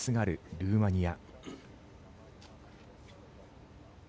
ルーマニア。